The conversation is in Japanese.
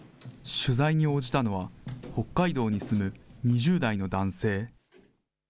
取材に応じたのは、北海道に住む２０代の男性。